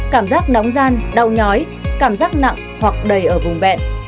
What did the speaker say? cảm giác nóng gian đau nhói cảm giác nặng hoặc đầy ở vùng bẹn